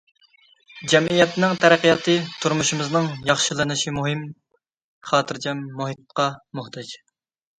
جەمئىيەتنىڭ تەرەققىياتى، تۇرمۇشىمىزنىڭ ياخشىلىنىشى مۇقىم، خاتىرجەم مۇھىتقا موھتاج.